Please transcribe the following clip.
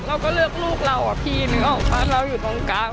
เราก็เลือกลูกเราอะพี่นึกออกปะเราอยู่ตรงกลาง